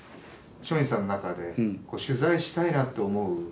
松陰寺さんの中で取材したいなって思う